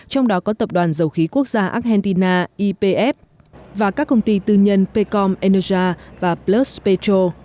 trong đó có tập đoàn giàu khí quốc gia argentina ypf và các công ty tư nhân pecom energia và plus petro